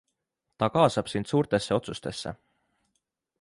Ta kaasab sind suurtesse otsustesse.